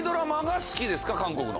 韓国の。